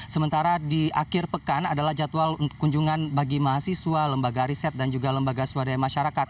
sementara di akhir pekan adalah jadwal kunjungan bagi mahasiswa lembaga riset dan juga lembaga swadaya masyarakat